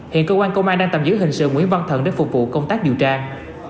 hiện cơ quan công an đang tầm giữ hình sự nguyễn văn thận để phục vụ công tác dự trang